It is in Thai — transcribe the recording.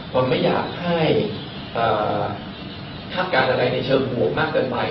ผมไม่อยากให้คาดการณ์อะไรในเชิงบวกมากเกินไป